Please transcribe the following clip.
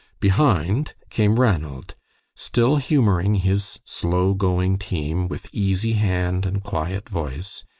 Behind came Ranald, still humoring his slow going team with easy hand and quiet voice.